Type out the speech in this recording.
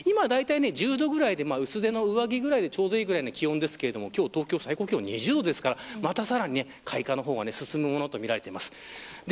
今だいたい１０度ぐらいで薄手の上着くらいでちょうどいい気温ですけど今日、東京は最高気温２０度ですからまた開花の方が進むものとみられています。